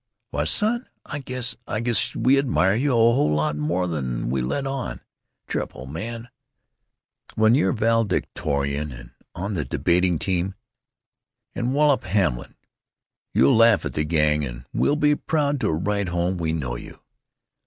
"Why, son, I—I guess—I guess we admire you a whole lot more than we let on to. Cheer up, old man! When you're valedictorian and on the debating team and wallop Hamlin you'll laugh at the Gang, and we'll be proud to write home we know you."